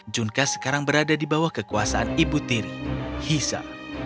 junka sekarang berada di bawah kekuasaan ibu tiri hisa